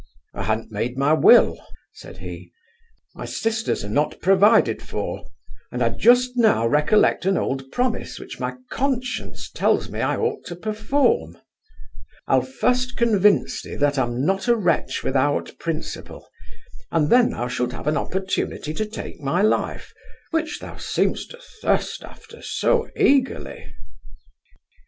'I ha'n't made my will (said he); my sisters are not provided for; and I just now recollect an old promise, which my conscience tells me I ought to perform I'll first convince thee, that I'm not a wretch without principle, and then thou shalt have an opportunity to take my life, which thou seem'st to thirst after so eagerly.